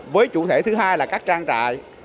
với chủ thể thứ hai là các trang trại